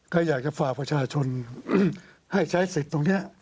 ก็อยากจะฝากประชาชนให้ใช้สิทธิ์ตรงนี้